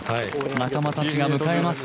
仲間たちが迎えます。